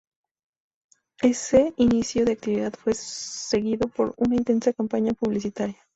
Ese inicio de actividad fue seguido por una intensa campaña publicitaria.